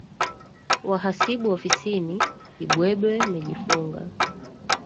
Wahasibu ofisini, kibwebwe mejifunga,